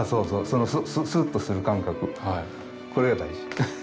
そのスッとする感覚、これが大事。